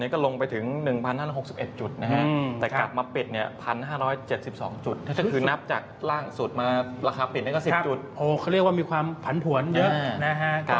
เขาเรียกว่ามีความผันผวนเยอะนะครับ